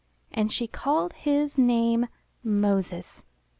And she called his name, Moses.